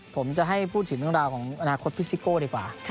ผมจะให้พูดถึงเรื่องราวของอนาคตพิซิโก้ดีกว่า